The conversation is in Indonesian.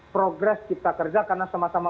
progres cipta kerja karena sama sama